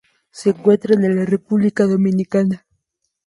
Se encuentran en República Dominicana.